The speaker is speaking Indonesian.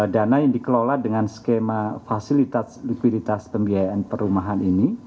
dana yang dikelola dengan skema fasilitas likuiditas pembiayaan perumahan ini